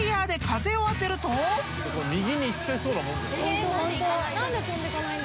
右に行っちゃいそうなもんじゃん。